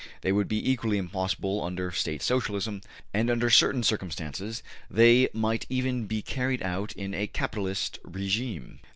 They would be equally possible under State Socialism, and under certain circumstances they might even be carried out in a capitalistic regime.